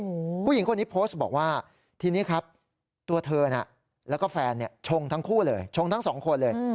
ผู้หญิงคนนี้โพสต์บอกว่าทีนี้ครับตัวเธอน่ะแล้วก็แฟนเนี่ยชงทั้งคู่เลยชงทั้งสองคนเลย